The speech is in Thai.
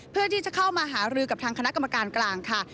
เพื่อที่จะเข้ามาหารือกับทางคณะกรรมการกลางค่ะ